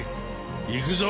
行くぞ。